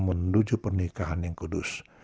menuju pernikahan yang kudus